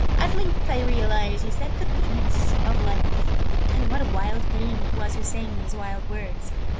'At length I realise,' he said, "The bitterness of Life!'" And what a wild being it was who sang these wild words!